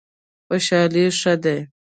خوشحالي ښه دی.